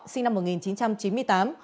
sinh năm một nghìn chín trăm chín mươi tám